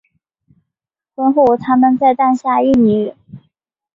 婚后他们再诞下一女。